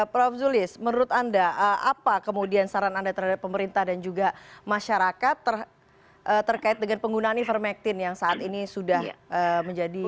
prof zulis menurut anda apa kemudian saran anda terhadap pemerintah dan juga masyarakat terkait dengan penggunaan ivermectin yang saat ini sudah menjadi